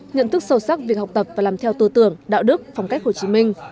nhận thức sâu sắc việc học tập và làm theo tư tưởng đạo đức phong cách hồ chí minh